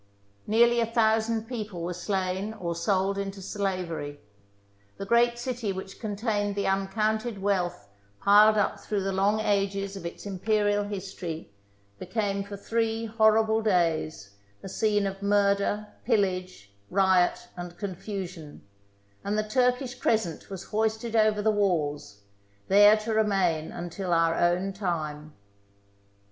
Nearly a thousand people were slain or sold into slavery; the great city which contained the un counted wealth piled up through the long ages of its Imperial history became for three horrible days a scene of murder, pillage, riot, and confusion, and the Turkish Crescent was hoisted over the walls, there to remain until our own time.